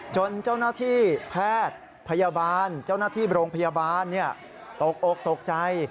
จนเจ้าหน้าที่แพทย์พยาบาลเจ้าหน้าที่โรงพยาบาลตกอกตกใจ